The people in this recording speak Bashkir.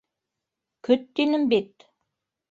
Көт тинем бит!